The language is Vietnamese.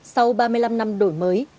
sau ba mươi năm năm đổi mới